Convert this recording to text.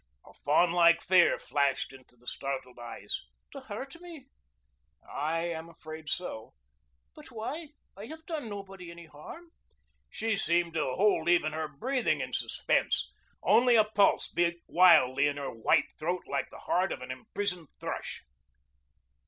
A fawnlike fear flashed into the startled eyes. "To hurt me?" "I am afraid so." "But why? I have done nobody any harm." She seemed to hold even her breathing in suspense. Only a pulse beat wildly in her white throat like the heart of an imprisoned thrush.